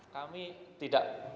kami tidak operasi